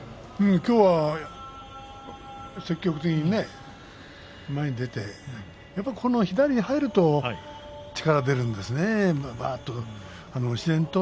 きょうは積極的にね前に出てやっぱり左が入ると力が出るんですね。